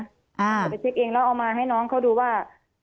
เอาไปเช็คเองแล้วเอามาให้น้องเขาดูว่า